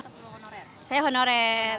kenapa buruh honorer